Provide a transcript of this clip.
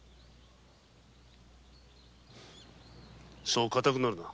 そう硬くなるな。